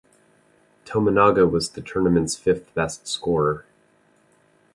Tominaga was the tournament’s fifth best scorer.